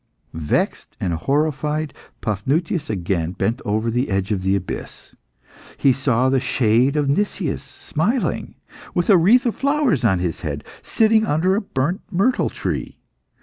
Vexed and horrified, Paphnutius again bent over the edge of the abyss. He saw the shade of Nicias smiling, with a wreath of flowers on his head, sitting under a burnt myrtle tree.